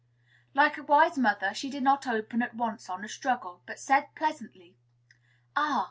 Like a wise mother, she did not open at once on a struggle; but said, pleasantly, "Ah!